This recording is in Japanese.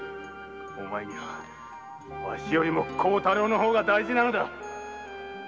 お前はわしより孝太郎の方が大事なのだ！〕